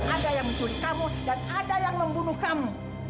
ada yang mencuri kamu dan ada yang membunuh kamu